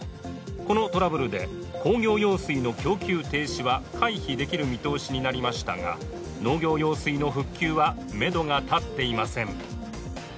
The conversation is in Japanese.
このトラブルで工業用水の供給停止は回避できる見通しになりましたが、農業用水の復旧はめどが立っていません。